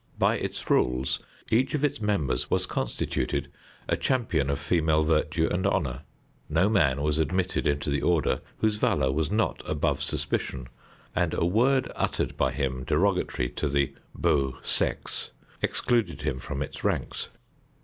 By its rules each of its members was constituted a champion of female virtue and honor. No man was admitted into the order whose valor was not above suspicion, and a word uttered by him derogatory to the beau sexe excluded him from its ranks.